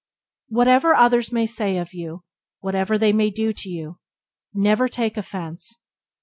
Whatever others may say of you, whatever they may do to you, never take offence.